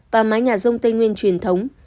và mái nhà dông tây nguyên truyền thống